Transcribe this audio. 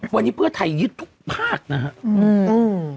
วันนี้เพื่อไทยยึดทุกภาคนะครับอืม